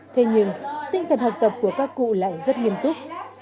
thế nhưng tinh thần học tập của các cụ lại rất nghiêm túc